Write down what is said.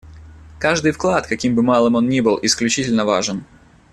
Каждый вклад, каким бы малым он ни был, исключительно важен.